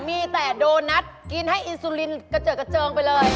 มีแต่โดนัทกินให้อินซูลินกระเจิดกระเจิงไปเลย